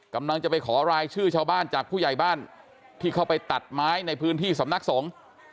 กำลังจะไปขอรายชื่อชาวบ้านจากผู้ใหญ่บ้านที่เข้าไปตัดไม้ในพื้นที่สำนักสงฆ์